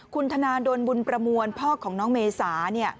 คุณธนาดลบุญประมวลพ่อของน้องเมษา